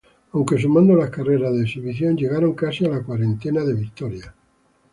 Aunque sumando las carreras de exhibición llegaron casi a la cuarentena de victorias.